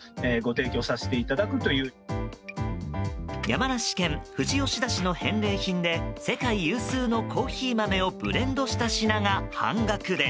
山梨県富士吉田市の返礼品で世界有数のコーヒー豆をブレンドした品が半額で。